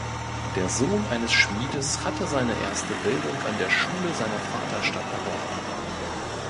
Der Sohn eines Schmiedes hatte seine erste Bildung an der Schule seiner Vaterstadt erworben.